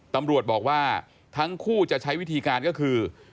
ตำรวจบอกว่าทั้งคู่จะใช้วิธีการก็คือ